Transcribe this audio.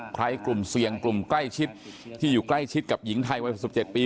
กลุ่มเสี่ยงกลุ่มใกล้ชิดที่อยู่ใกล้ชิดกับหญิงไทยวัย๖๗ปี